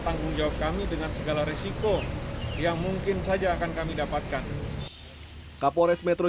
tanggung jawab kami dengan segala resiko yang mungkin saja akan kami dapatkan kapolres metro